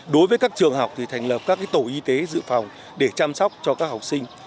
đối với các trường học thì thành lập các tổ y tế dự phòng để chăm sóc cho các học sinh